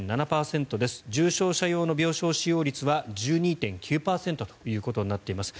重症者用の病床使用率は１２．９％となっています。